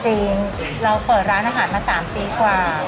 จริงเราเปิดร้านอาหารมา๓ปีกว่า